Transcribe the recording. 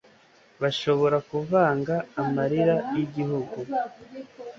bashobora kuvanga amarira yigihugu